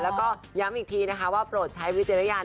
แล้วก็ย้ำอีกทีนะคะว่าโปรดใช้วิจารณญาณ